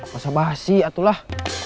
masa bahasi atulah